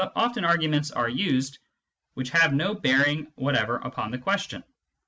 Often arguments are used which have no bearing whatever upon the question.